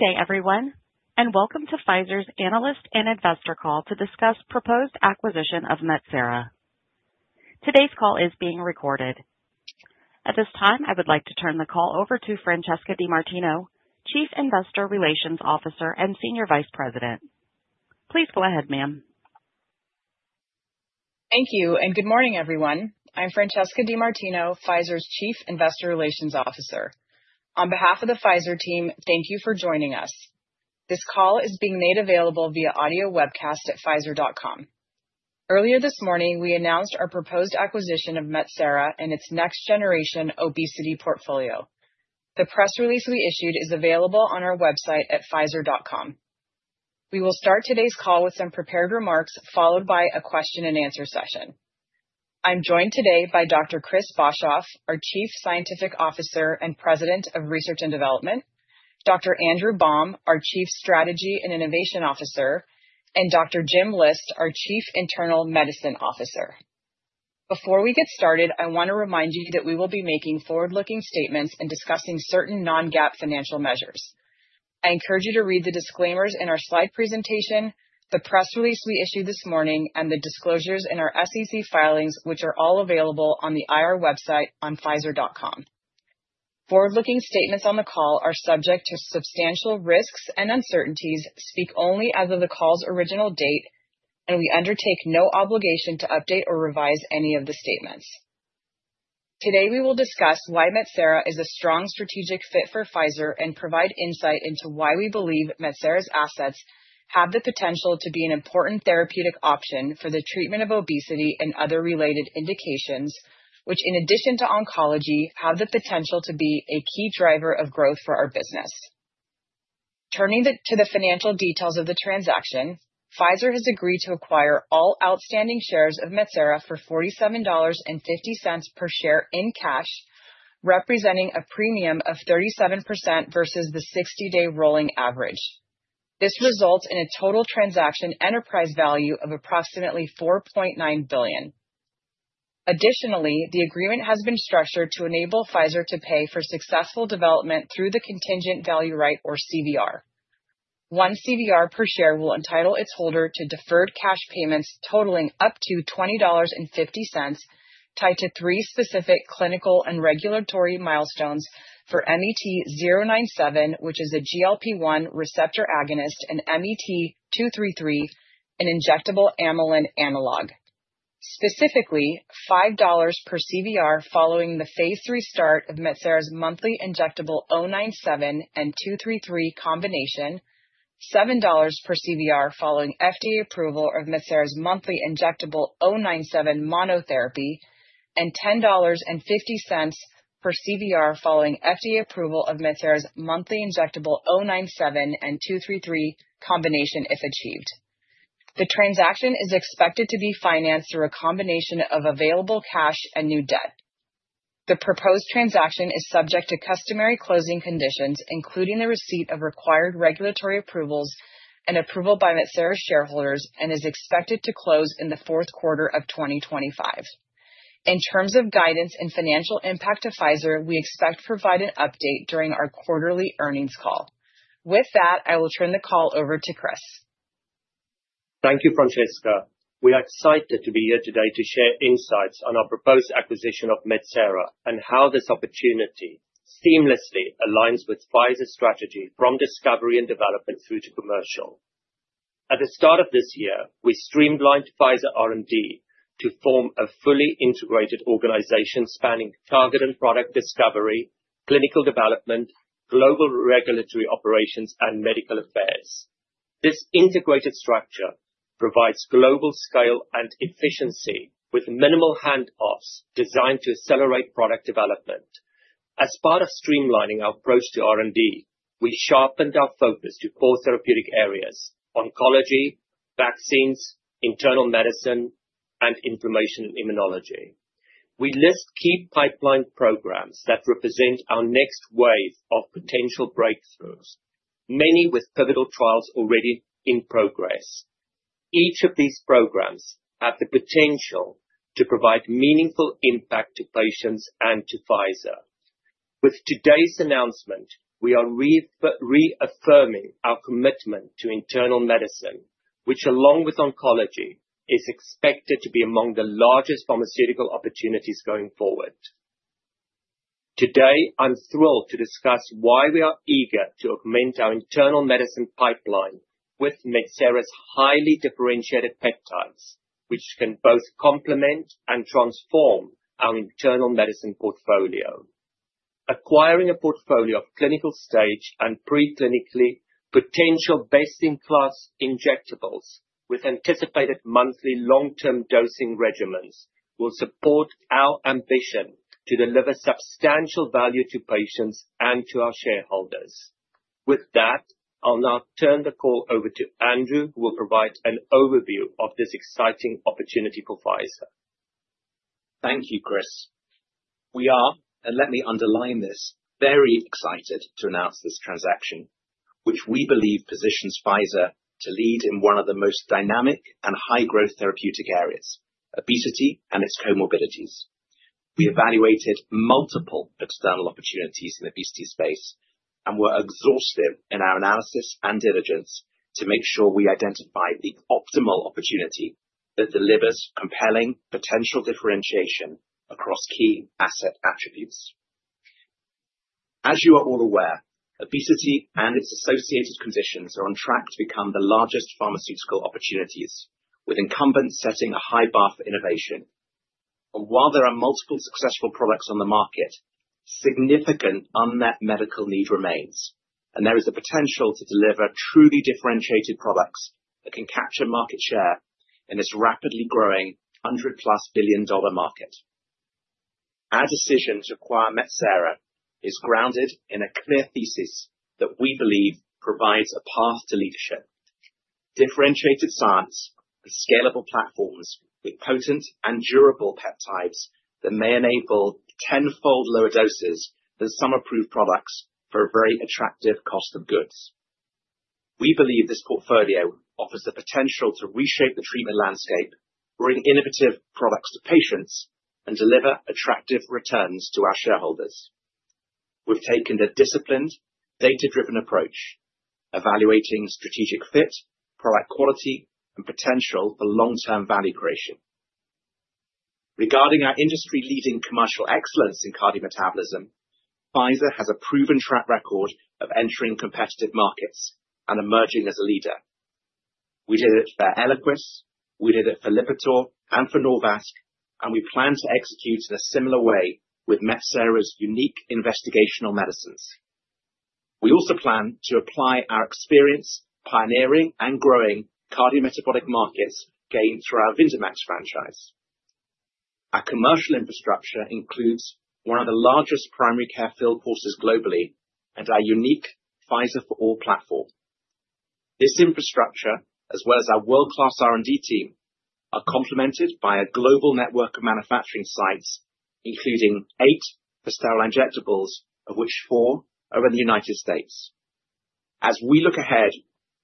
Good day, everyone, and welcome to Pfizer's analyst and investor call to discuss proposed acquisition of Metsera. Today's call is being recorded. At this time, I would like to turn the call over to Francesca DeMartino, Chief Investor Relations Officer and Senior Vice President. Please go ahead, ma'am. Thank you, and good morning, everyone. I'm Francesca DeMartino, Pfizer's Chief Investor Relations Officer. On behalf of the Pfizer team, thank you for joining us. This call is being made available via audio webcast at pfizer.com. Earlier this morning, we announced our proposed acquisition of Metsera and its next-generation obesity portfolio. The press release we issued is available on our website at pfizer.com. We will start today's call with some prepared remarks, followed by a question-and-answer session. I'm joined today by Dr. Chris Boshoff, our Chief Scientific Officer and President of Research and Development, Dr. Andrew Baum, our Chief Strategy and Innovation Officer, and Dr. Jim List, our Chief Internal Medicine Officer. Before we get started, I want to remind you that we will be making forward-looking statements and discussing certain non-GAAP financial measures. I encourage you to read the disclaimers in our slide presentation, the press release we issued this morning, and the disclosures in our SEC filings, which are all available on the IR website on pfizer.com. Forward-looking statements on the call are subject to substantial risks and uncertainties, speak only as of the call's original date, and we undertake no obligation to update or revise any of the statements. Today, we will discuss why Metsera is a strong strategic fit for Pfizer and provide insight into why we believe Metsera's assets have the potential to be an important therapeutic option for the treatment of obesity and other related indications, which, in addition to oncology, have the potential to be a key driver of growth for our business. Turning to the financial details of the transaction, Pfizer has agreed to acquire all outstanding shares of Metsera for $47.50 per share in cash, representing a premium of 37% versus the 60-day rolling average. This results in a total transaction enterprise value of approximately $4.9 billion. Additionally, the agreement has been structured to enable Pfizer to pay for successful development through the contingent value right, or CVR. One CVR per share will entitle its holder to deferred cash payments totaling up to $20.50, tied to three specific clinical and regulatory milestones for MET-097, which is a GLP-1 receptor agonist, and MET-233, an injectable amylin analog. Specifically, $5 per CVR following the Phase 3 start of Metsera's monthly injectable 097 and 233 combination, $7 per CVR following FDA approval of Metsera's monthly injectable 097 monotherapy, and $10.50 per CVR following FDA approval of Metsera's monthly injectable 097 and 233 combination, if achieved. The transaction is expected to be financed through a combination of available cash and new debt. The proposed transaction is subject to customary closing conditions, including the receipt of required regulatory approvals and approval by Metsera shareholders, and is expected to close in the fourth quarter of 2025. In terms of guidance and financial impact of Pfizer, we expect to provide an update during our quarterly earnings call. With that, I will turn the call over to Chris. Thank you, Francesca. We are excited to be here today to share insights on our proposed acquisition of Metsera and how this opportunity seamlessly aligns with Pfizer's strategy from discovery and development through to commercial. At the start of this year, we streamlined Pfizer R&D to form a fully integrated organization spanning target and product discovery, clinical development, global regulatory operations, and medical affairs. This integrated structure provides global scale and efficiency with minimal handoffs designed to accelerate product development. As part of streamlining our approach to R&D, we sharpened our focus to four therapeutic areas: oncology, vaccines, internal medicine, and inflammation and immunology. We list key pipeline programs that represent our next wave of potential breakthroughs, many with pivotal trials already in progress. Each of these programs has the potential to provide meaningful impact to patients and to Pfizer. With today's announcement, we are reaffirming our commitment to internal medicine, which, along with oncology, is expected to be among the largest pharmaceutical opportunities going forward. Today, I'm thrilled to discuss why we are eager to augment our internal medicine pipeline with Metsera's highly differentiated peptides, which can both complement and transform our internal medicine portfolio. Acquiring a portfolio of clinical stage and preclinically potential best-in-class injectables with anticipated monthly long-term dosing regimens will support our ambition to deliver substantial value to patients and to our shareholders. With that, I'll now turn the call over to Andrew, who will provide an overview of this exciting opportunity for Pfizer. Thank you, Chris. We are, and let me underline this, very excited to announce this transaction, which we believe positions Pfizer to lead in one of the most dynamic and high-growth therapeutic areas: obesity and its comorbidities. We evaluated multiple external opportunities in the obesity space and were exhaustive in our analysis and diligence to make sure we identified the optimal opportunity that delivers compelling potential differentiation across key asset attributes. As you are all aware, obesity and its associated conditions are on track to become the largest pharmaceutical opportunities, with incumbents setting a high bar for innovation, and while there are multiple successful products on the market, significant unmet medical need remains, and there is the potential to deliver truly differentiated products that can capture market share in this rapidly growing $100-plus billion-dollar market. Our decision to acquire Metsera is grounded in a clear thesis that we believe provides a path to leadership: differentiated science and scalable platforms with potent and durable peptides that may enable tenfold lower doses than some approved products for a very attractive cost of goods. We believe this portfolio offers the potential to reshape the treatment landscape, bring innovative products to patients, and deliver attractive returns to our shareholders. We've taken a disciplined, data-driven approach, evaluating strategic fit, product quality, and potential for long-term value creation. Regarding our industry-leading commercial excellence in cardiometabolism, Pfizer has a proven track record of entering competitive markets and emerging as a leader. We did it for Eliquis, we did it for Lipitor, and for Norvasc, and we plan to execute in a similar way with Metsera's unique investigational medicines. We also plan to apply our experience pioneering and growing cardiometabolic markets gained through our Vyndamax franchise. Our commercial infrastructure includes one of the largest primary care field forces globally and our unique PfizerForAll platform. This infrastructure, as well as our world-class R&D team, are complemented by a global network of manufacturing sites, including eight for sterile injectables, of which four are in the United States. As we look ahead,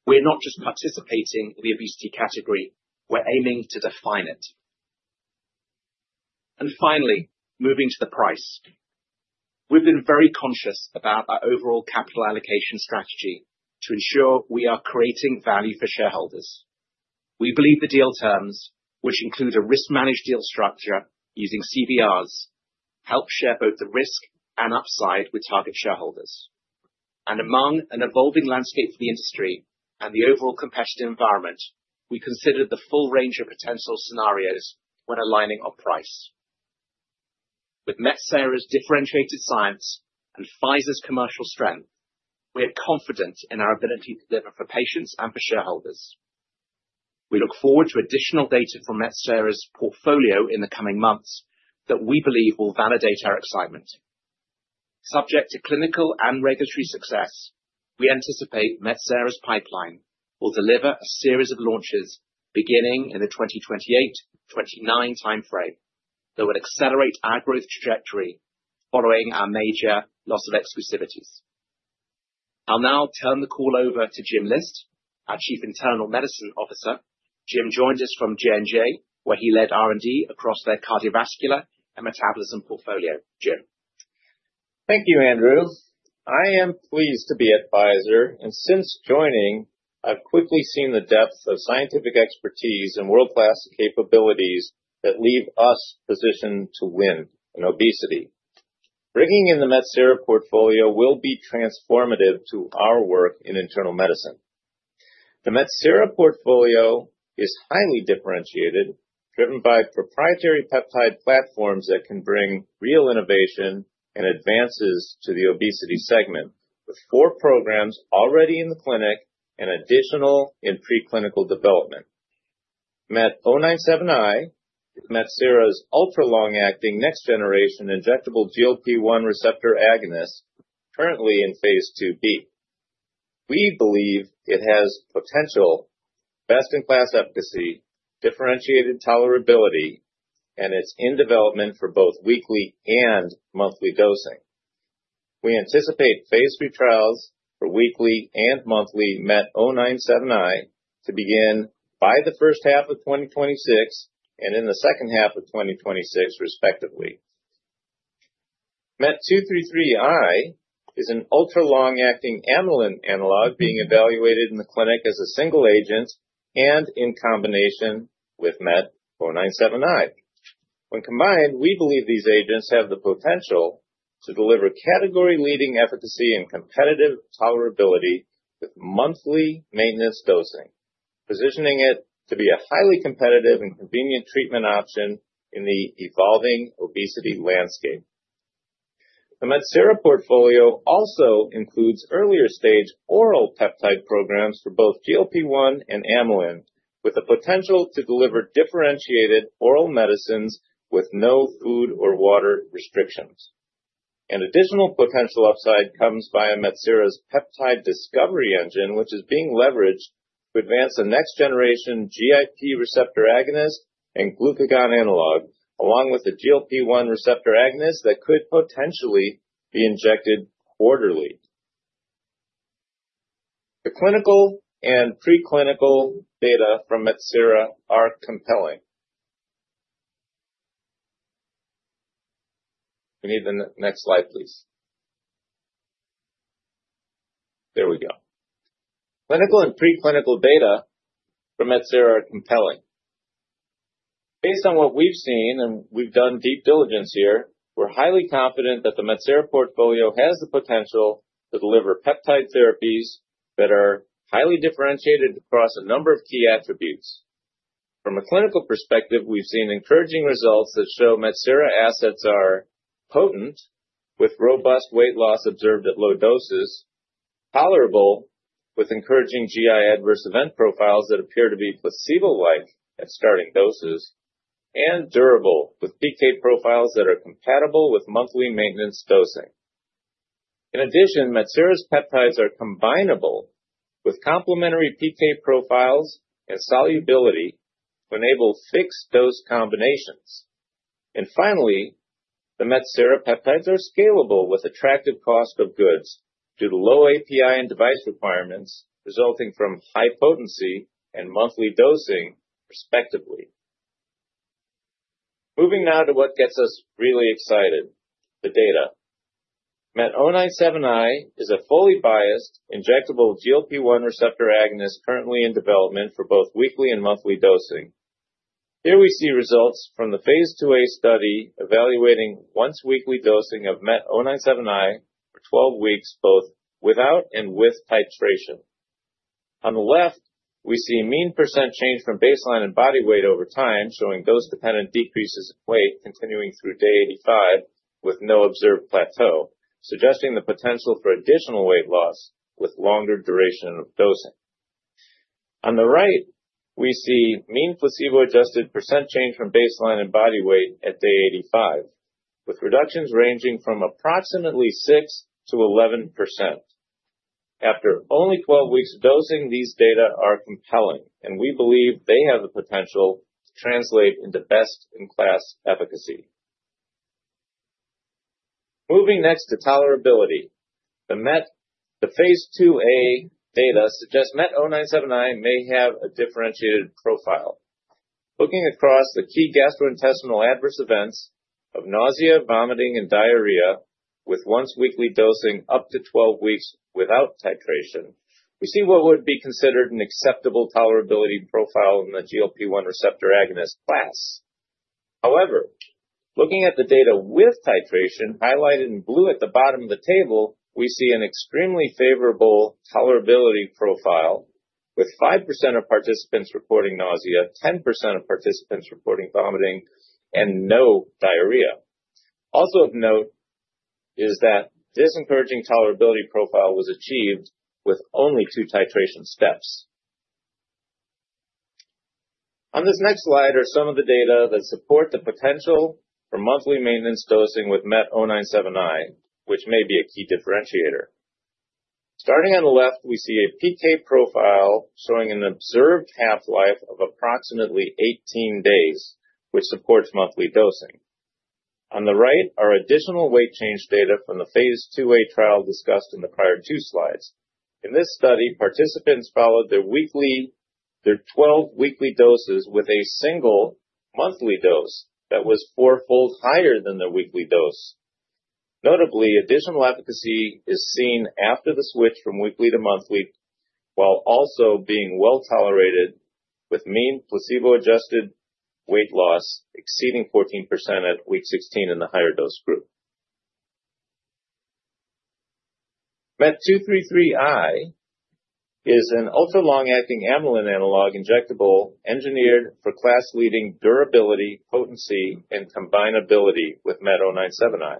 we're not just participating in the obesity category. We're aiming to define it, and finally, moving to the price. We've been very conscious about our overall capital allocation strategy to ensure we are creating value for shareholders. We believe the deal terms, which include a risk-managed deal structure using CVRs, help share both the risk and upside with target shareholders. Among an evolving landscape for the industry and the overall competitive environment, we consider the full range of potential scenarios when aligning our price. With Metsera's differentiated science and Pfizer's commercial strength, we are confident in our ability to deliver for patients and for shareholders. We look forward to additional data from Metsera's portfolio in the coming months that we believe will validate our excitement. Subject to clinical and regulatory success, we anticipate Metsera's pipeline will deliver a series of launches beginning in the 2028-29 timeframe that would accelerate our growth trajectory following our major loss of exclusivities. I'll now turn the call over to Jim List, our Chief Internal Medicine Officer. Jim joined us from J&J, where he led R&D across their cardiovascular and metabolism portfolio. Jim. Thank you, Andrew. I am pleased to be at Pfizer, and since joining, I've quickly seen the depth of scientific expertise and world-class capabilities that leave us positioned to win in obesity. Bringing in the Metsera portfolio will be transformative to our work in internal medicine. The Metsera portfolio is highly differentiated, driven by proprietary peptide platforms that can bring real innovation and advances to the obesity segment, with four programs already in the clinic and additional in preclinical development. MET-097i is Metsera's ultra-long-acting next-generation injectable GLP-1 receptor agonist, currently in Phase 2b. We believe it has potential, best-in-class efficacy, differentiated tolerability, and it's in development for both weekly and monthly dosing. We anticipate Phase 3 trials for weekly and monthly MET-097i to begin by the first half of 2026 and in the second half of 2026, respectively. MET-233i is an ultra-long-acting amylin analog being evaluated in the clinic as a single agent and in combination with MET-097i. When combined, we believe these agents have the potential to deliver category-leading efficacy and competitive tolerability with monthly maintenance dosing, positioning it to be a highly competitive and convenient treatment option in the evolving obesity landscape. The Metsera portfolio also includes earlier-stage oral peptide programs for both GLP-1 and amylin, with the potential to deliver differentiated oral medicines with no food or water restrictions. An additional potential upside comes by Metsera's peptide discovery engine, which is being leveraged to advance a next-generation GIP receptor agonist and glucagon analog, along with a GLP-1 receptor agonist that could potentially be injected quarterly. The clinical and preclinical data from Metsera are compelling. We need the next slide, please. There we go. Clinical and preclinical data from Metsera are compelling. Based on what we've seen and we've done deep diligence here, we're highly confident that the Metsera portfolio has the potential to deliver peptide therapies that are highly differentiated across a number of key attributes. From a clinical perspective, we've seen encouraging results that show Metsera assets are potent, with robust weight loss observed at low doses, tolerable with encouraging GI adverse event profiles that appear to be placebo-like at starting doses, and durable with PK profiles that are compatible with monthly maintenance dosing. In addition, Metsera's peptides are combinable with complementary PK profiles and solubility to enable fixed-dose combinations. And finally, the Metsera peptides are scalable with attractive cost of goods due to low API and device requirements resulting from high potency and monthly dosing, respectively. Moving now to what gets us really excited: the data. MET-097i is a fully biased injectable GLP-1 receptor agonist currently in development for both weekly and monthly dosing. Here we see results from the Phase 2a study evaluating once-weekly dosing of MET-097i for 12 weeks, both without and with titration. On the left, we see a mean % change from baseline in body weight over time, showing dose-dependent decreases in weight continuing through day 85 with no observed plateau, suggesting the potential for additional weight loss with longer duration of dosing. On the right, we see mean placebo-adjusted % change from baseline in body weight at day 85, with reductions ranging from approximately 6%-11%. After only 12 weeks of dosing, these data are compelling, and we believe they have the potential to translate into best-in-class efficacy. Moving next to tolerability, the Phase 2a data suggest MET-097i may have a differentiated profile. Looking across the key gastrointestinal adverse events of nausea, vomiting, and diarrhea with once-weekly dosing up to 12 weeks without titration, we see what would be considered an acceptable tolerability profile in the GLP-1 receptor agonist class. However, looking at the data with titration highlighted in blue at the bottom of the table, we see an extremely favorable tolerability profile with 5% of participants reporting nausea, 10% of participants reporting vomiting, and no diarrhea. Also of note is that this encouraging tolerability profile was achieved with only two titration steps. On this next slide are some of the data that support the potential for monthly maintenance dosing with MET-097i, which may be a key differentiator. Starting on the left, we see a PK profile showing an observed half-life of approximately 18 days, which supports monthly dosing. On the right are additional weight change data from the Phase 2a trial discussed in the prior two slides. In this study, participants followed their 12 weekly doses with a single monthly dose that was four-fold higher than their weekly dose. Notably, additional efficacy is seen after the switch from weekly to monthly, while also being well tolerated with mean placebo-adjusted weight loss exceeding 14% at week 16 in the higher dose group. MET-233i is an ultra-long-acting amylin analog injectable engineered for class-leading durability, potency, and combinability with MET-097i.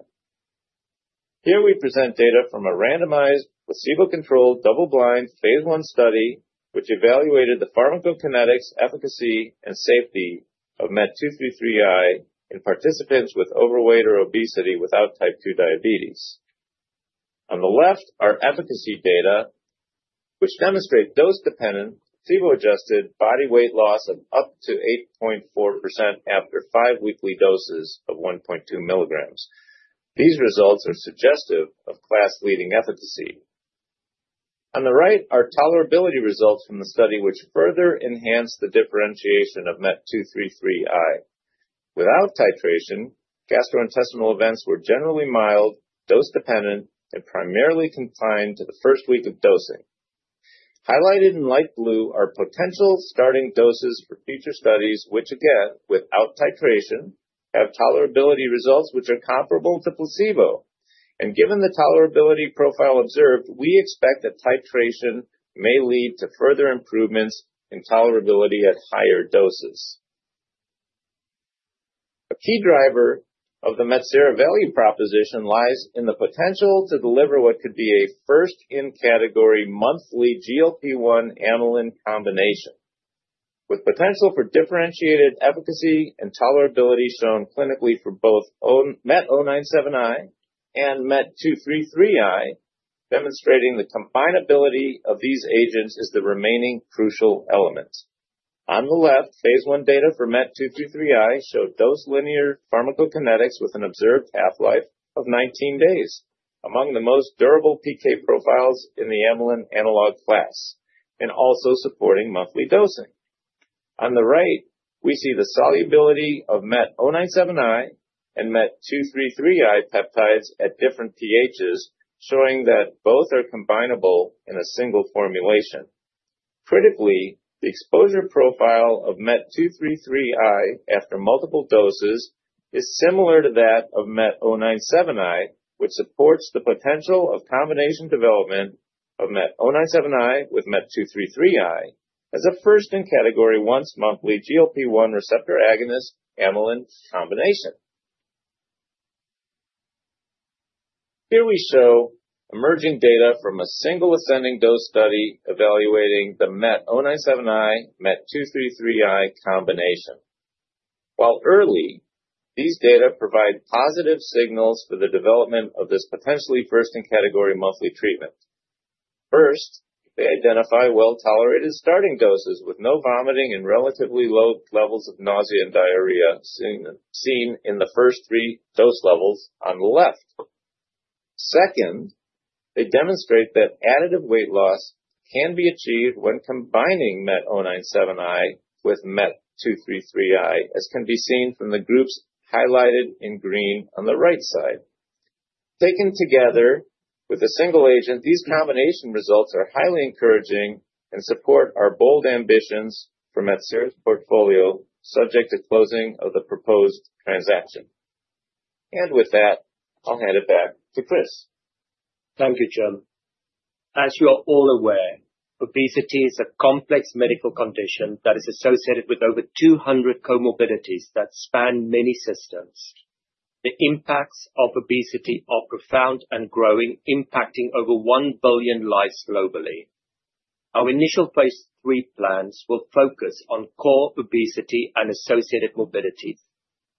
Here we present data from a randomized placebo-controlled double-blind Phase 1 study, which evaluated the pharmacokinetics, efficacy, and safety of MET-233i in participants with overweight or obesity without type 2 diabetes. On the left are efficacy data, which demonstrate dose-dependent placebo-adjusted body weight loss of up to 8.4% after five weekly doses of 1.2 milligrams. These results are suggestive of class-leading efficacy. On the right are tolerability results from the study, which further enhance the differentiation of MET-233i. Without titration, gastrointestinal events were generally mild, dose-dependent, and primarily confined to the first week of dosing. Highlighted in light blue are potential starting doses for future studies, which, again, without titration, have tolerability results which are comparable to placebo. And given the tolerability profile observed, we expect that titration may lead to further improvements in tolerability at higher doses. A key driver of the Metsera value proposition lies in the potential to deliver what could be a first-in-category monthly GLP-1 amylin combination, with potential for differentiated efficacy and tolerability shown clinically for both MET-097i and MET-233i, demonstrating the combinability of these agents is the remaining crucial element. On the left, Phase 1 data for MET-233i show dose-linear pharmacokinetics with an observed half-life of 19 days, among the most durable PK profiles in the amylin analog class, and also supporting monthly dosing. On the right, we see the solubility of MET-097i and MET-233i peptides at different pHs, showing that both are combinable in a single formulation. Critically, the exposure profile of MET-233i after multiple doses is similar to that of MET-097i, which supports the potential of combination development of MET-097i with MET-233i as a first-in-category once-monthly GLP-1 receptor agonist-amylin combination. Here we show emerging data from a single ascending dose study evaluating the MET-097i-MET-233i combination. While early, these data provide positive signals for the development of this potentially first-in-category monthly treatment. First, they identify well-tolerated starting doses with no vomiting and relatively low levels of nausea and diarrhea seen in the first three dose levels on the left. Second, they demonstrate that additive weight loss can be achieved when combining MET-097i with MET-233i, as can be seen from the groups highlighted in green on the right side. Taken together with a single agent, these combination results are highly encouraging and support our bold ambitions for Metsera's portfolio, subject to closing of the proposed transaction. And with that, I'll hand it back to Chris. Thank you, Jim. As you are all aware, obesity is a complex medical condition that is associated with over 200 comorbidities that span many systems. The impacts of obesity are profound and growing, impacting over one billion lives globally. Our initial Phase 3 plans will focus on core obesity and associated morbidities,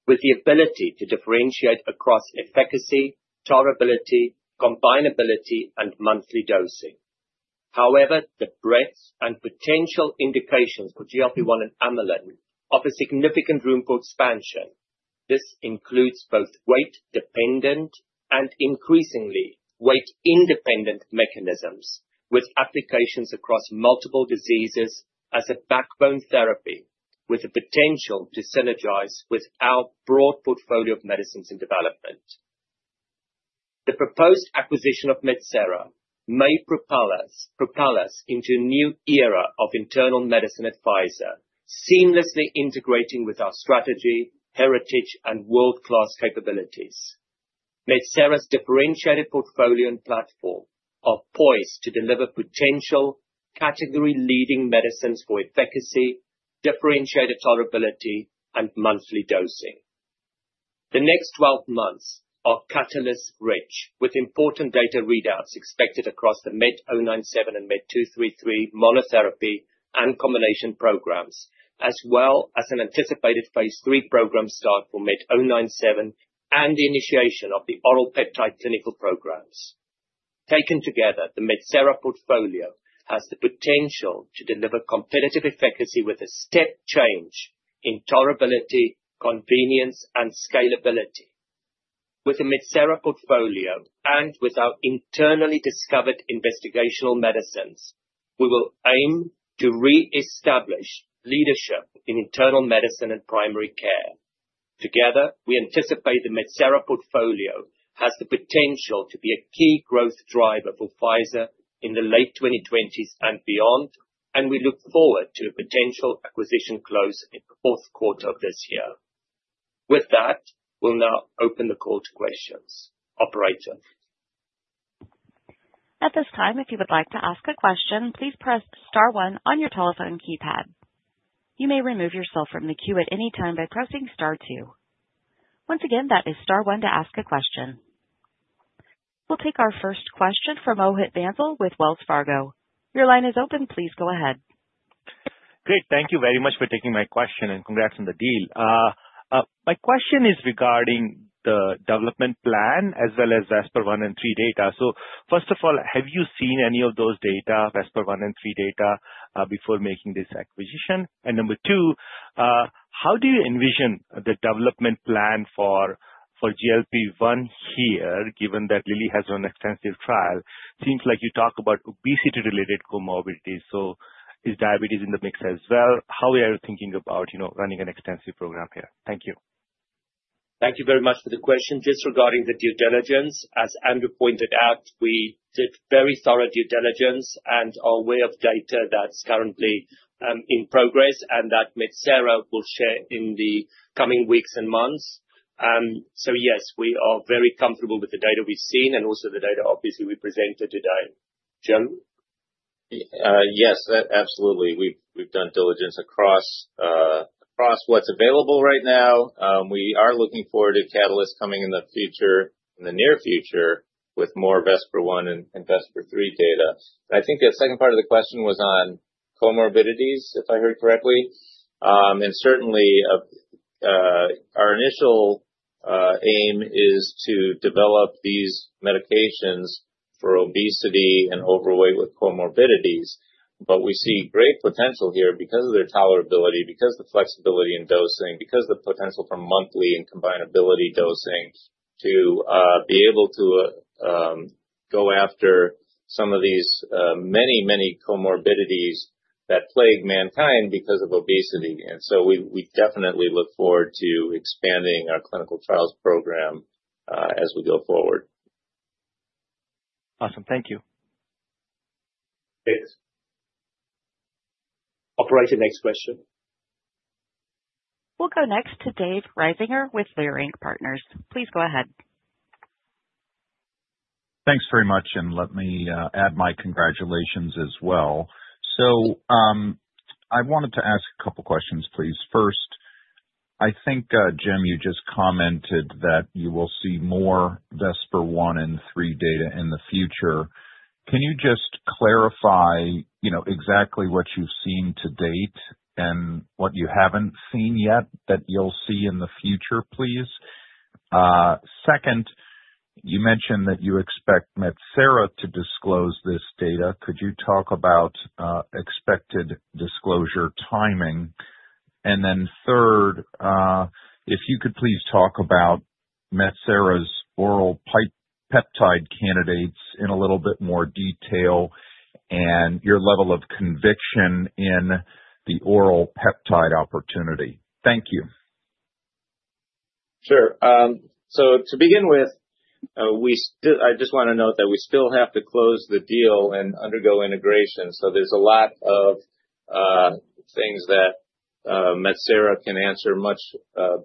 with the ability to differentiate across efficacy, tolerability, combinability, and monthly dosing. However, the breadth and potential indications for GLP-1 and amylin offer significant room for expansion. This includes both weight-dependent and, increasingly, weight-independent mechanisms, with applications across multiple diseases as a backbone therapy, with the potential to synergize with our broad portfolio of medicines in development. The proposed acquisition of Metsera may propel us into a new era of internal medicine at Pfizer, seamlessly integrating with our strategy, heritage, and world-class capabilities. Metsera's differentiated portfolio and platform are poised to deliver potential category-leading medicines for efficacy, differentiated tolerability, and monthly dosing. The next 12 months are catalyst-rich, with important data readouts expected across the MET-097 and MET-233 monotherapy and combination programs, as well as an anticipated Phase 3 program start for MET-097 and the initiation of the oral peptide clinical programs. Taken together, the Metsera portfolio has the potential to deliver competitive efficacy with a step change in tolerability, convenience, and scalability. With the Metsera portfolio and with our internally discovered investigational medicines, we will aim to re-establish leadership in internal medicine and primary care. Together, we anticipate the Metsera portfolio has the potential to be a key growth driver for Pfizer in the late 2020s and beyond, and we look forward to a potential acquisition close in the fourth quarter of this year. With that, we'll now open the call to questions. Operator. At this time, if you would like to ask a question, please press Star 1 on your telephone keypad. You may remove yourself from the queue at any time by pressing Star 2. Once again, that is Star 1 to ask a question. We'll take our first question from Mohit Bansal with Wells Fargo. Your line is open. Please go ahead. Great. Thank you very much for taking my question, and congrats on the deal. My question is regarding the development plan as well as VESPER-1 and VESPER-3 data. So first of all, have you seen any of those data, VESPER-1 and VESPER-3 data, before making this acquisition? And number two, how do you envision the development plan for GLP-1 here, given that Lilly has done an extensive trial? Seems like you talk about obesity-related comorbidities. So is diabetes in the mix as well? How are you thinking about running an extensive program here? Thank you. Thank you very much for the question. Just regarding the due diligence, as Andrew pointed out, we did very thorough due diligence and our view of the data that's currently in progress, and that Metsera will share in the coming weeks and months. So yes, we are very comfortable with the data we've seen and also the data, obviously, we presented today. Jim? Yes, absolutely. We've done diligence across what's available right now. We are looking forward to catalysts coming in the future, in the near future, with more VESPER-1 and VESPER-3 data. I think the second part of the question was on comorbidities, if I heard correctly. And certainly, our initial aim is to develop these medications for obesity and overweight with comorbidities. But we see great potential here because of their tolerability, because of the flexibility in dosing, because of the potential for monthly and combinability dosing to be able to go after some of these many, many comorbidities that plague mankind because of obesity. And so we definitely look forward to expanding our clinical trials program as we go forward. Awesome. Thank you. Thanks. Operator, next question. We'll go next to David Risinger with Leerink Partners. Please go ahead. Thanks very much. And let me add my congratulations as well. So I wanted to ask a couple of questions, please. First, I think, Jim, you just commented that you will see moreVESPER-1 and VESPER-3 data in the future. Can you just clarify exactly what you've seen to date and what you haven't seen yet that you'll see in the future, please? Second, you mentioned that you expect Metsera to disclose this data. Could you talk about expected disclosure timing? And then third, if you could please talk about Metsera's oral peptide candidates in a little bit more detail and your level of conviction in the oral peptide opportunity. Thank you. Sure. So to begin with, I just want to note that we still have to close the deal and undergo integration. So there's a lot of things that Metsera can answer much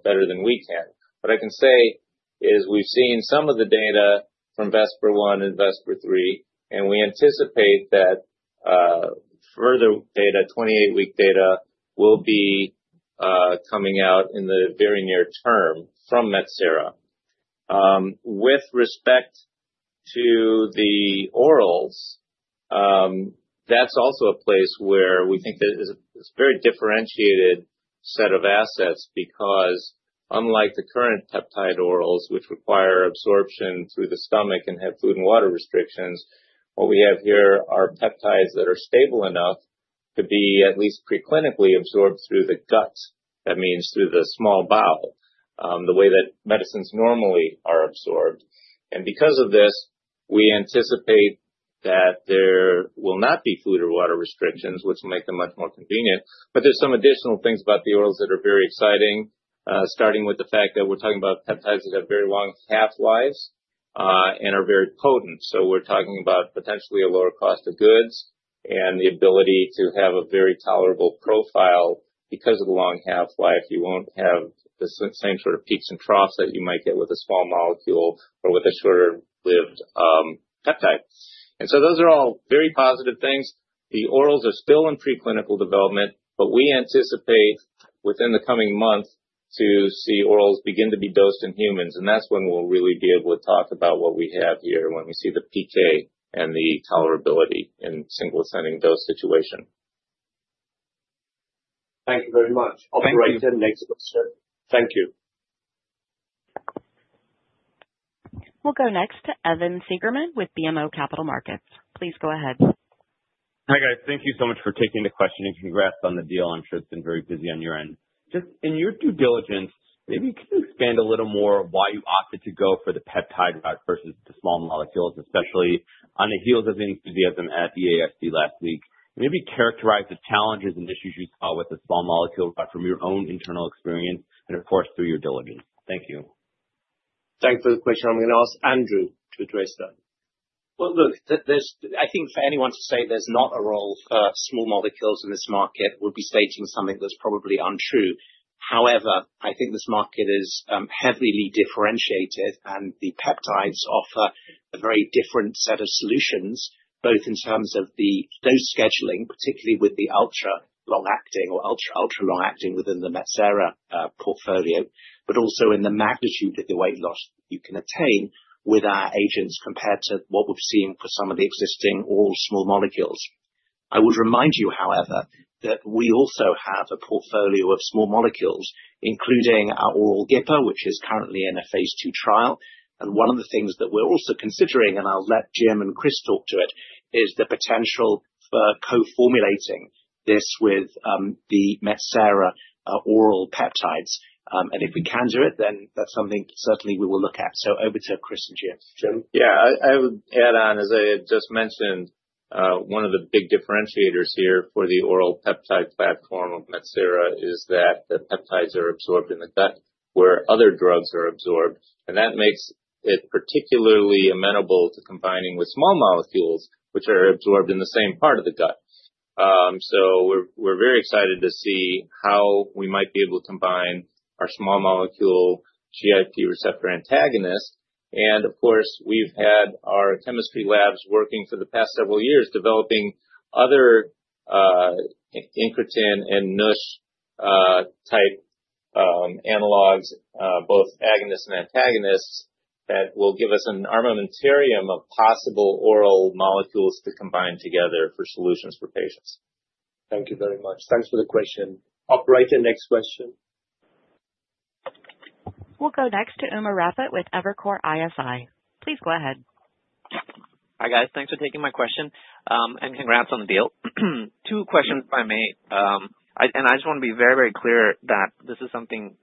better than we can. What I can say is we've seen some of the data from VESPER-1 and VESPER-3, and we anticipate that further data, 28-week data, will be coming out in the very near term from Metsera. With respect to the orals, that's also a place where we think that it's a very differentiated set of assets because, unlike the current peptide orals, which require absorption through the stomach and have food and water restrictions, what we have here are peptides that are stable enough to be at least preclinically absorbed through the gut. That means through the small bowel, the way that medicines normally are absorbed. Because of this, we anticipate that there will not be food or water restrictions, which will make them much more convenient, but there's some additional things about the orals that are very exciting, starting with the fact that we're talking about peptides that have very long half-lives and are very potent, so we're talking about potentially a lower cost of goods and the ability to have a very tolerable profile. Because of the long half-life, you won't have the same sort of peaks and troughs that you might get with a small molecule or with a shorter-lived peptide, and so those are all very positive things. The orals are still in preclinical development, but we anticipate within the coming months to see orals begin to be dosed in humans. That's when we'll really be able to talk about what we have here when we see the PK and the tolerability in single ascending dose situation. Thank you very much. Thank you. Next question. Thank you. We'll go next to Evan Seigerman with BMO Capital Markets. Please go ahead. Hi, guys. Thank you so much for taking the question and congrats on the deal. I'm sure it's been very busy on your end. Just in your due diligence, maybe you can expand a little more why you opted to go for the peptide route versus the small molecules, especially on the heels of the enthusiasm at EASD last week. Maybe characterize the challenges and issues you saw with the small molecule from your own internal experience and, of course, through your diligence. Thank you. Thanks for the question. I'm going to ask Andrew to address that. Look, I think for anyone to say there's not a role for small molecules in this market would be stating something that's probably untrue. However, I think this market is heavily differentiated, and the peptides offer a very different set of solutions, both in terms of the dose scheduling, particularly with the ultra-long-acting within the Metsera portfolio, but also in the magnitude of the weight loss you can attain with our agents compared to what we've seen for some of the existing oral small molecules. I would remind you, however, that we also have a portfolio of small molecules, including our oral GIP agonist, which is currently in a Phase 2 trial. And one of the things that we're also considering, and I'll let Jim and Chris talk to it, is the potential for co-formulating this with the Metsera oral peptides. And if we can do it, then that's something certainly we will look at. So over to Chris and Jim. Jim, yeah, I would add on, as I had just mentioned, one of the big differentiators here for the oral peptide platform of Metsera is that the peptides are absorbed in the gut where other drugs are absorbed. And that makes it particularly amenable to combining with small molecules, which are absorbed in the same part of the gut. So we're very excited to see how we might be able to combine our small molecule GIP receptor antagonist. And of course, we've had our chemistry labs working for the past several years developing other incretin and amylin-type analogs, both agonists and antagonists, that will give us an armamentarium of possible oral molecules to combine together for solutions for patients. Thank you very much. Thanks for the question. Operator, next question. We'll go next to Umer Raffat with Evercore ISI. Please go ahead. Hi, guys. Thanks for taking my question. And congrats on the deal. Two questions, if I may. And I just want to be very, very clear that this is something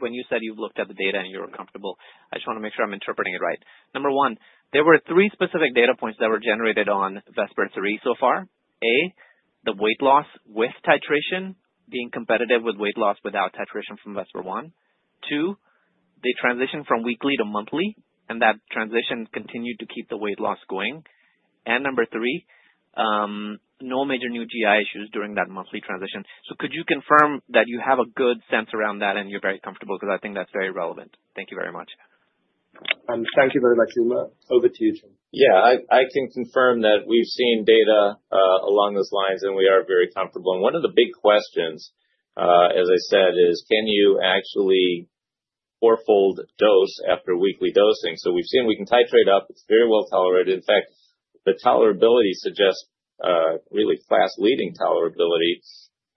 when you said you've looked at the data and you were comfortable, I just want to make sure I'm interpreting it right. Number one, there were three specific data points that were generated on Vesper 3 so far. A, the weight loss with titration being competitive with weight loss without titration from Vesper 1. Two, the transition from weekly to monthly, and that transition continued to keep the weight loss going. And number three, no major new GI issues during that monthly transition. So could you confirm that you have a good sense around that and you're very comfortable because I think that's very relevant? Thank you very much. Thank you very much, Uma. Over to you, Jim. Yeah, I can confirm that we've seen data along those lines, and we are very comfortable. One of the big questions, as I said, is can you actually four-fold dose after weekly dosing? So we've seen we can titrate up. It's very well tolerated. In fact, the tolerability suggests really class-leading tolerability.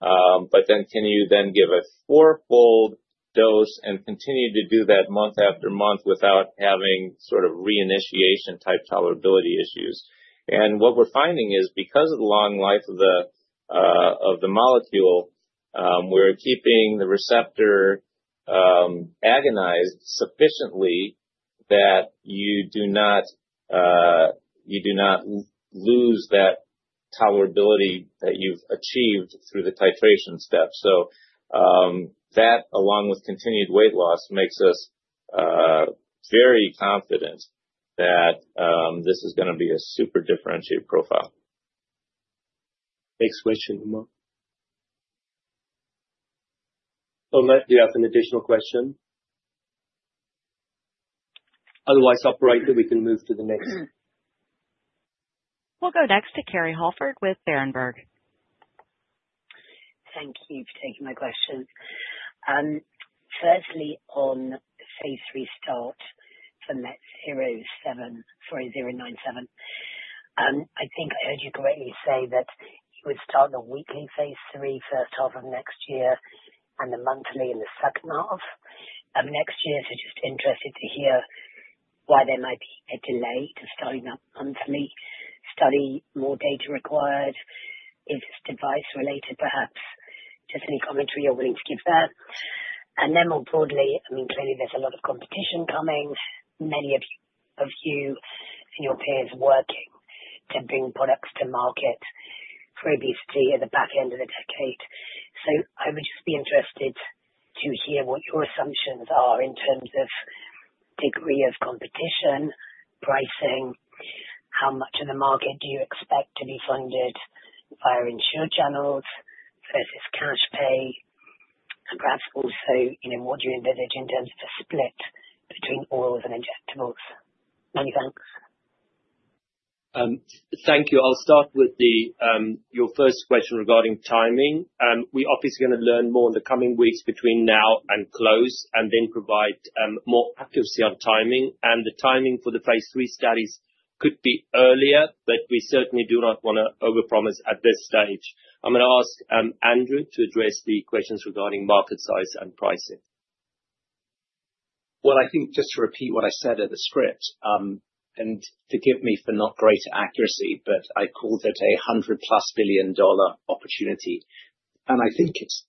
But then can you then give a four-fold dose and continue to do that month after month without having sort of reinitiation-type tolerability issues? What we're finding is because of the long life of the molecule, we're keeping the receptor agonized sufficiently that you do not lose that tolerability that you've achieved through the titration step. So that, along with continued weight loss, makes us very confident that this is going to be a super differentiated profile. Next question, Uma. Oh, Matt, do you have an additional question? Otherwise, Operator, we can move to the next. We'll go next to Kerry Holford with Berenberg. Thank you for taking my question. Firstly, on Phase 3 start for MET-097. I think I heard you correctly say that you would start the weekly Phase 3 first half of next year and the monthly in the second half of next year. So just interested to hear why there might be a delay to starting up monthly study, more data required. Is this device-related, perhaps? Just any commentary you're willing to give there? And then more broadly, I mean, clearly there's a lot of competition coming. Many of you and your peers are working to bring products to market for obesity at the back end of the decade. I would just be interested to hear what your assumptions are in terms of degree of competition, pricing, how much of the market do you expect to be funded via insurer channels versus cash pay, and perhaps also what do you envisage in terms of the split between orals and injectables? Many thanks. Thank you. I'll start with your first question regarding timing. We're obviously going to learn more in the coming weeks between now and close and then provide more accuracy on timing. The timing for the Phase 3 studies could be earlier, but we certainly do not want to overpromise at this stage. I'm going to ask Andrew to address the questions regarding market size and pricing. I think just to repeat what I said in the script and forgive me for not greater accuracy, but I called it a $100-plus billion opportunity, and I think it's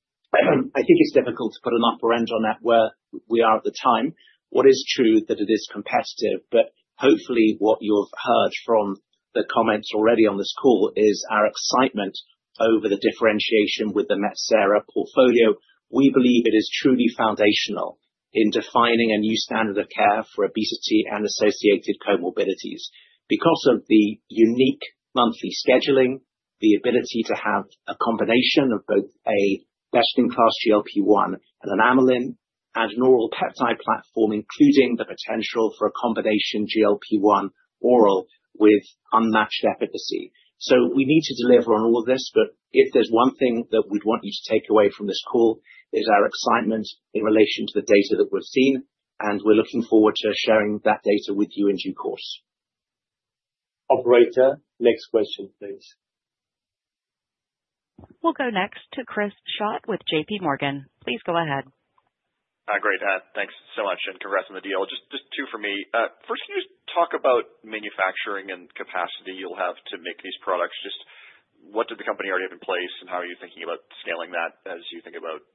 difficult to put an upper end on that where we are at the time. What is true is that it is competitive, but hopefully, what you've heard from the comments already on this call is our excitement over the differentiation with the Metsera portfolio. We believe it is truly foundational in defining a new standard of care for obesity and associated comorbidities. Because of the unique monthly scheduling, the ability to have a combination of both a best-in-class GLP-1 and an amylin and an oral peptide platform, including the potential for a combination GLP-1 oral with unmatched efficacy, so we need to deliver on all of this. But if there's one thing that we'd want you to take away from this call, it is our excitement in relation to the data that we've seen. And we're looking forward to sharing that data with you in due course. Operator, next question, please. We'll go next to Chris Schott with J.P. Morgan. Please go ahead. Hi, great, Add. Thanks so much. And congrats on the deal. Just two for me. First, can you talk about manufacturing and capacity you'll have to make these products? Just what did the company already have in place, and how are you thinking about scaling that as you think about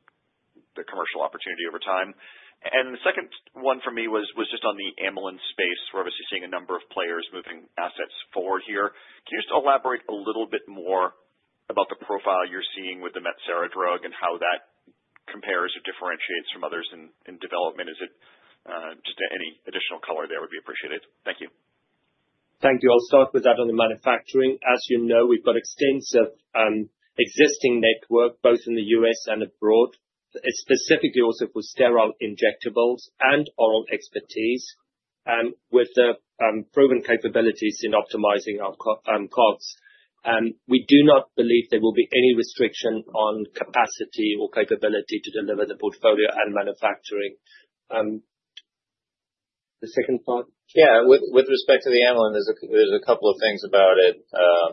the commercial opportunity over time? And the second one for me was just on the amylin space. We're obviously seeing a number of players moving assets forward here. Can you just elaborate a little bit more about the profile you're seeing with the Metsera drug and how that compares or differentiates from others in development? Is it just any additional color there would be appreciated? Thank you. Thank you. I'll start with that on the manufacturing. As you know, we've got extensive existing network both in the U.S. and abroad, specifically also for sterile injectables and oral expertise with proven capabilities in optimizing our COGS. We do not believe there will be any restriction on capacity or capability to deliver the portfolio and manufacturing. The second part? Yeah. With respect to the amylin, there's a couple of things about it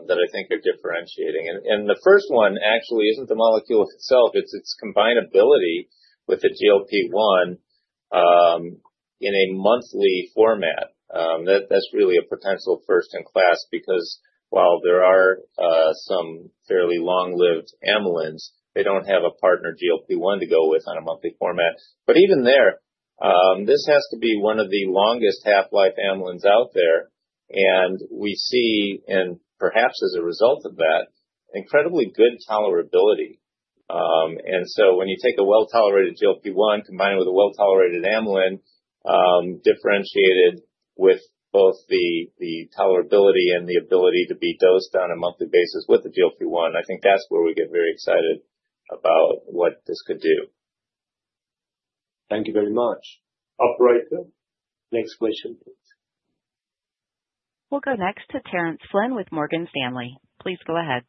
that I think are differentiating. And the first one actually isn't the molecule itself. It's its combinability with the GLP-1 in a monthly format. That's really a potential first-in-class because while there are some fairly long-lived amylins, they don't have a partner GLP-1 to go with on a monthly format. But even there, this has to be one of the longest half-life amylines out there. And we see, and perhaps as a result of that, incredibly good tolerability. And so when you take a well-tolerated GLP-1 combined with a well-tolerated amylin differentiated with both the tolerability and the ability to be dosed on a monthly basis with the GLP-1, I think that's where we get very excited about what this could do. Thank you very much. Operator, next question, please. We'll go next to Terence Flynn with Morgan Stanley. Please go ahead.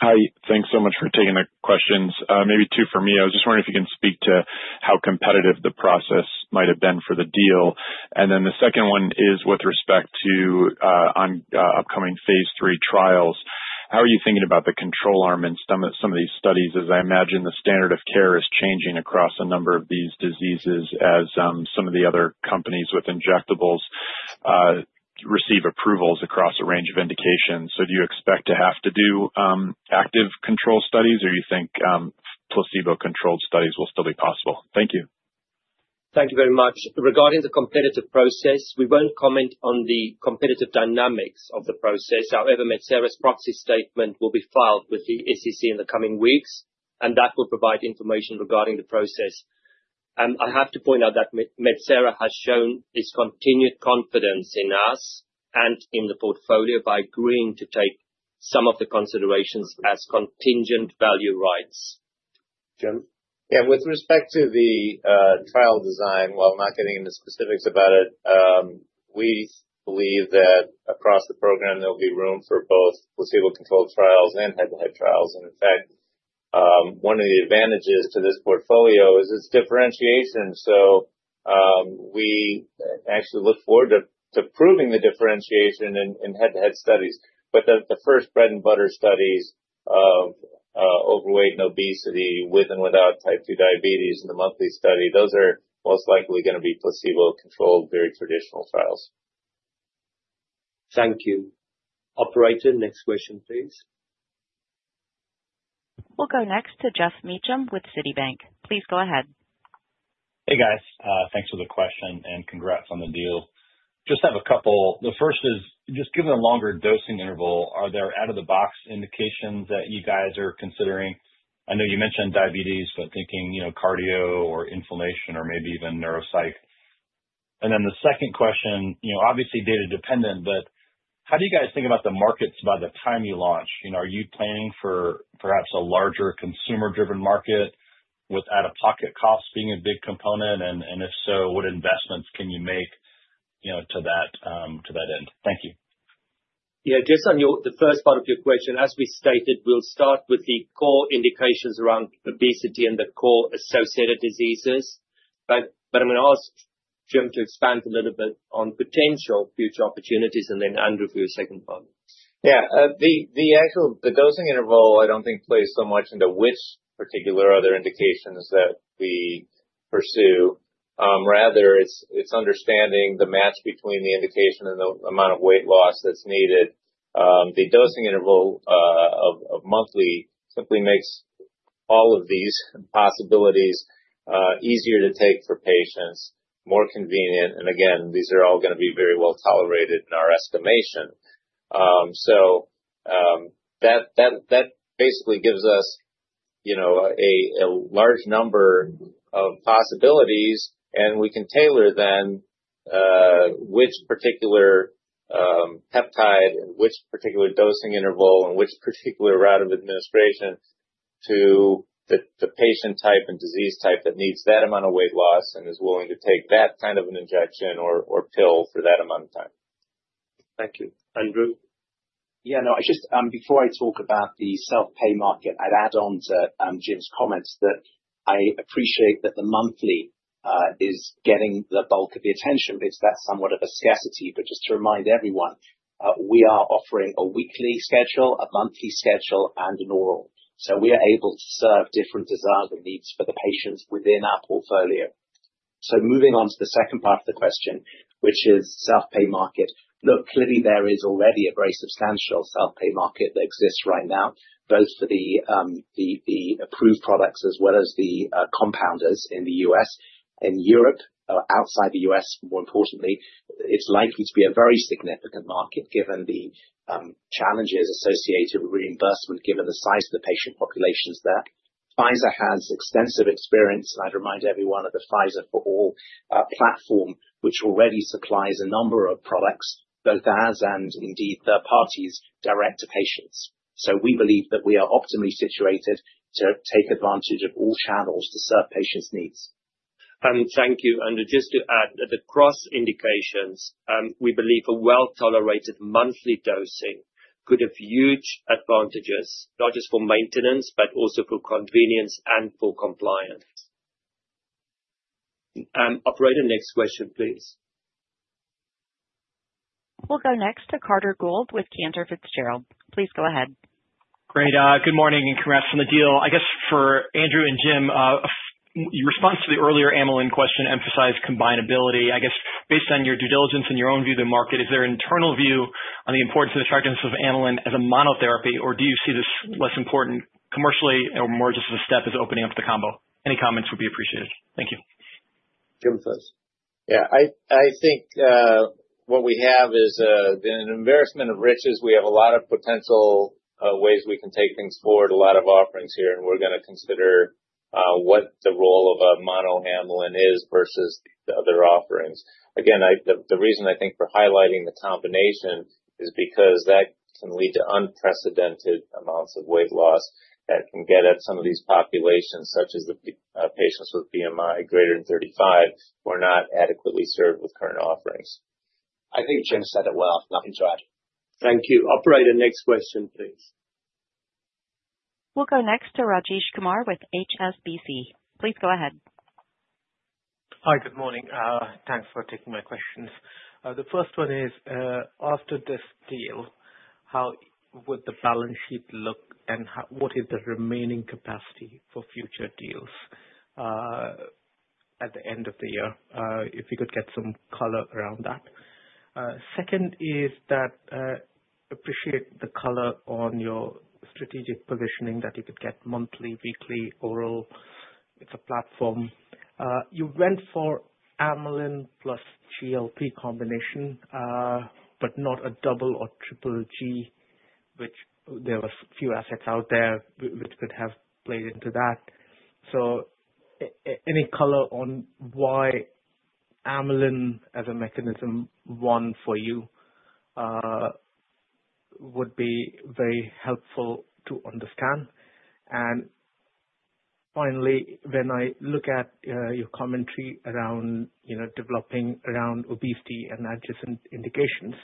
Hi. Thanks so much for taking the questions. Maybe two for me. I was just wondering if you can speak to how competitive the process might have been for the deal. Then the second one is with respect to upcoming Phase 3 trials. How are you thinking about the control arm in some of these studies? As I imagine, the standard of care is changing across a number of these diseases as some of the other companies with injectables receive approvals across a range of indications. So do you expect to have to do active control studies, or do you think placebo-controlled studies will still be possible? Thank you. Thank you very much. Regarding the competitive process, we won't comment on the competitive dynamics of the process. However, Metsera's proxy statement will be filed with the SEC in the coming weeks, and that will provide information regarding the process. I have to point out that Metsera has shown its continued confidence in us and in the portfolio by agreeing to take some of the considerations as contingent value rights. Jim? Yeah. With respect to the trial design, while not getting into specifics about it, we believe that across the program, there'll be room for both placebo-controlled trials and head-to-head trials. And in fact, one of the advantages to this portfolio is its differentiation. So we actually look forward to proving the differentiation in head-to-head studies. But the first bread-and-butter studies of overweight and obesity with and without type 2 diabetes in the monthly study, those are most likely going to be placebo-controlled very traditional trials. Thank you. Operator, next question, please. We'll go next to Geoff Meacham with Citi. Please go ahead. Hey, guys. Thanks for the question, and congrats on the deal. Just have a couple. The first is just given a longer dosing interval, are there out-of-the-box indications that you guys are considering? I know you mentioned diabetes, but thinking cardio or inflammation or maybe even neuropsych. And then the second question, obviously data-dependent, but how do you guys think about the markets by the time you launch? Are you planning for perhaps a larger consumer-driven market with out-of-pocket costs being a big component? And if so, what investments can you make to that end? Thank you. Yeah. Just on the first part of your question, as we stated, we'll start with the core indications around obesity and the core associated diseases. But I'm going to ask Jim to expand a little bit on potential future opportunities, and then Andrew for your second part. Yeah. The dosing interval, I don't think plays so much into which particular other indications that we pursue. Rather, it's understanding the match between the indication and the amount of weight loss that's needed. The dosing interval of monthly simply makes all of these possibilities easier to take for patients, more convenient. And again, these are all going to be very well tolerated in our estimation. So that basically gives us a large number of possibilities, and we can tailor then which particular peptide and which particular dosing interval and which particular route of administration to the patient type and disease type that needs that amount of weight loss and is willing to take that kind of an injection or pill for that amount of time. Thank you. Andrew? Yeah. No, before I talk about the self-pay market, I'd add on to Jim's comments that I appreciate that the monthly is getting the bulk of the attention. It's that somewhat of a scarcity. But just to remind everyone, we are offering a weekly schedule, a monthly schedule, and an oral. So we are able to serve different desires and needs for the patients within our portfolio. So moving on to the second part of the question, which is self-pay market, look, clearly there is already a very substantial self-pay market that exists right now, both for the approved products as well as the compounders in the U.S. and Europe or outside the U.S., more importantly. It's likely to be a very significant market given the challenges associated with reimbursement, given the size of the patient populations there. Pfizer has extensive experience, and I'd remind everyone of the PfizerForAll platform, which already supplies a number of products, both as and indeed third parties direct to patients. So we believe that we are optimally situated to take advantage of all channels to serve patients' needs. Thank you. Just to add that across indications, we believe a well-tolerated monthly dosing could have huge advantages, not just for maintenance, but also for convenience and for compliance. Operator, next question, please. We'll go next to Carter Gould with Cantor Fitzgerald. Please go ahead. Great. Good morning and congrats on the deal. I guess for Andrew and Jim, your response to the earlier amylin question emphasized combinability. I guess based on your due diligence and your own view of the market, is there an internal view on the importance and effectiveness of amylin as a monotherapy, or do you see this less important commercially or more just as a step as opening up the combo? Any comments would be appreciated. Thank you. Jim first. Yeah. I think what we have is an embarrassment of riches. We have a lot of potential ways we can take things forward, a lot of offerings here, and we're going to consider what the role of a mono amylin is versus the other offerings. Again, the reason I think we're highlighting the combination is because that can lead to unprecedented amounts of weight loss that can get at some of these populations, such as the patients with BMI greater than 35 who are not adequately served with current offerings. I think Jim said it well. Nothing to add. Thank you. Operator, next question, please. We'll go next to Rajesh Kumar with HSBC. Please go ahead. Hi, good morning. Thanks for taking my questions. The first one is, after this deal, how would the balance sheet look, and what is the remaining capacity for future deals at the end of the year if we could get some color around that? Second is that I appreciate the color on your strategic positioning that you could get monthly, weekly, oral. It's a platform. You went for amylin plus GLP combination, but not a double or triple G, which there were a few assets out there which could have played into that. So any color on why amylin as a mechanism, one for you, would be very helpful to understand. And finally, when I look at your commentary around developing obesity and adjacent indications,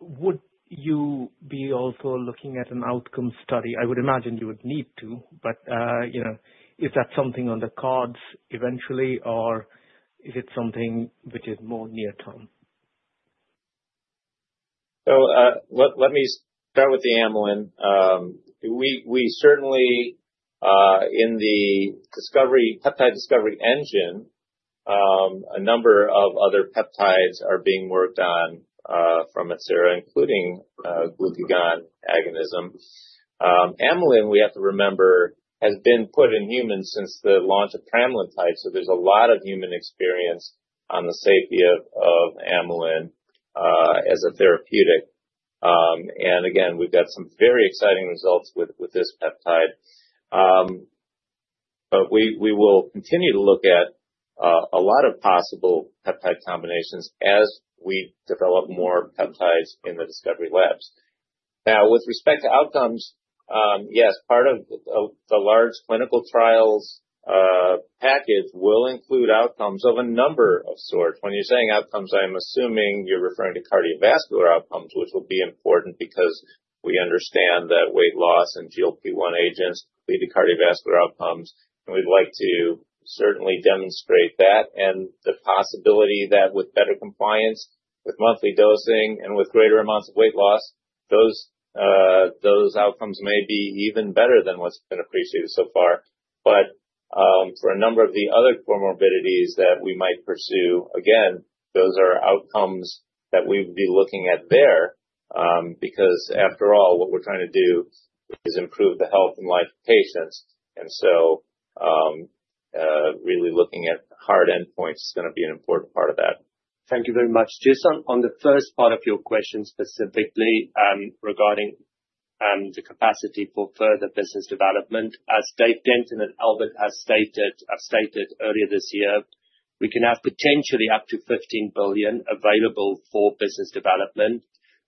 would you be also looking at an outcome study? I would imagine you would need to, but is that something on the cards eventually, or is it something which is more near-term? So let me start with the amylin. We certainly, in the peptide discovery engine, a number of other peptides are being worked on from Metsera, including glucagon agonism. Amylin, we have to remember, has been put in humans since the launch of pramlintide. So there's a lot of human experience on the safety of amylin as a therapeutic. And again, we've got some very exciting results with this peptide. But we will continue to look at a lot of possible peptide combinations as we develop more peptides in the discovery labs. Now, with respect to outcomes, yes, part of the large clinical trials package will include outcomes of a number of sorts. When you're saying outcomes, I'm assuming you're referring to cardiovascular outcomes, which will be important because we understand that weight loss and GLP-1 agents lead to cardiovascular outcomes, and we'd like to certainly demonstrate that and the possibility that with better compliance, with monthly dosing, and with greater amounts of weight loss, those outcomes may be even better than what's been appreciated so far. But for a number of the other comorbidities that we might pursue, again, those are outcomes that we would be looking at there because, after all, what we're trying to do is improve the health and life of patients. And so really looking at hard endpoints is going to be an important part of that. Thank you very much. Just on the first part of your question specifically regarding the capacity for further business development, as Dave Denton and Albert have stated earlier this year, we can have potentially up to $15 billion available for business development,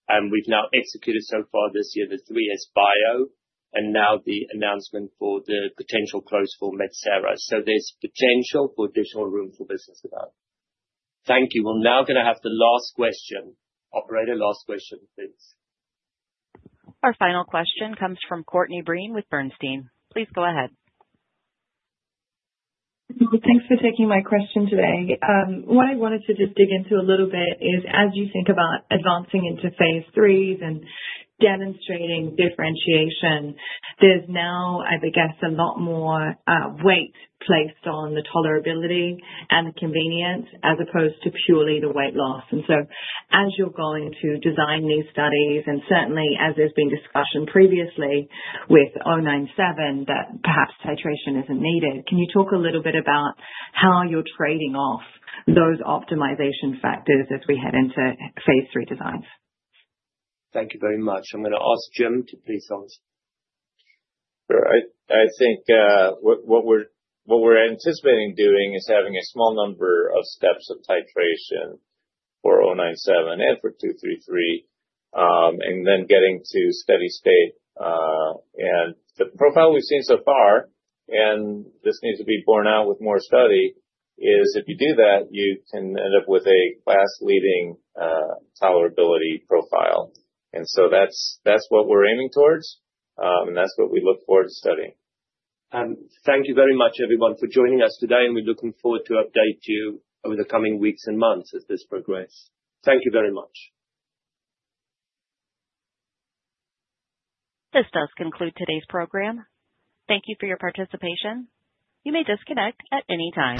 and we've now executed so far this year the 3SBio and now the announcement for the potential close for Metsera, so there's potential for additional room for business development. Thank you. We're now going to have the last question. Operator, last question, please. Our final question comes from Courtney Breen with Bernstein. Please go ahead. Thanks for taking my question today. What I wanted to just dig into a little bit is, as you think about advancing into Phase 3 and demonstrating differentiation, there's now, I guess, a lot more weight placed on the tolerability and the convenience as opposed to purely the weight loss. And so as you're going to design these studies, and certainly as there's been discussion previously with 097 that perhaps titration isn't needed, can you talk a little bit about how you're trading off those optimization factors as we head into Phase 3 designs? Thank you very much. I'm going to ask Jim to please answer. Sure. I think what we're anticipating doing is having a small number of steps of titration for 097 and for 233, and then getting to steady state. And the profile we've seen so far, and this needs to be borne out with more study, is if you do that, you can end up with a class-leading tolerability profile. And so that's what we're aiming towards, and that's what we look forward to studying. Thank you very much, everyone, for joining us today, and we're looking forward to update you over the coming weeks and months as this progresses. Thank you very much. This does conclude today's program. Thank you for your participation. You may disconnect at any time.